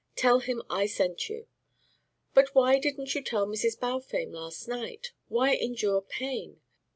Tell him I sent you. But why didn't you tell Mrs. Balfame last night? Why endure pain?